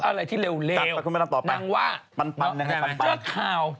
อะไรที่เลวดังว่าเจ้าข่าว